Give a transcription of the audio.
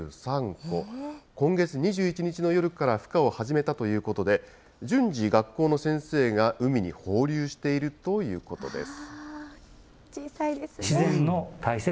今月２１日の夜からふ化を始めたということで、順次、学校の先生が海に放流しているということです。